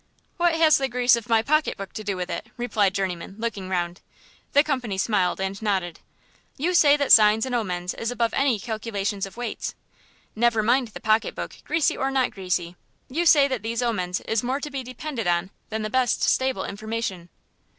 "What has the grease of my pocket book to do with it?" replied Journeyman, looking round. The company smiled and nodded. "You says that signs and omens is above any calculation of weights. Never mind the pocket book, greasy or not greasy; you says that these omens is more to be depended on than the best stable information."